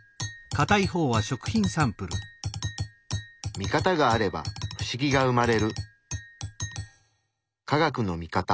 見方があれば不思議が生まれる。